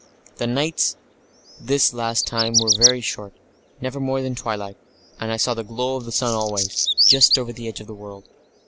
The nights this last time were very short, never more than twilight, and I saw the glow of the sun always, just over the edge of the world.